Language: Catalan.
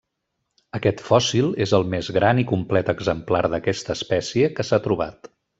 Aquest fòssil és el més gran i complet exemplar d'aquesta espècie que s'ha trobat.